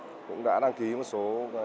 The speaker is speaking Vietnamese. cũng đã đăng ký một số